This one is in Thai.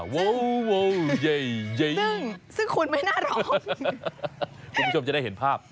ว้าวใหญ่ซึ่งคุณไม่น่าร้องคุณผู้ชมจะได้เห็นภาพ